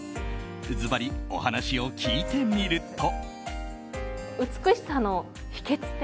ズバリ、お話を聞いてみると。